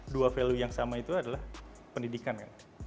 dua value yang sama itu adalah pendidikan kan